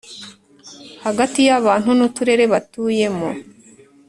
hagati y abantu n uturere batuyemo